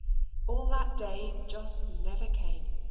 All that day Jos never came.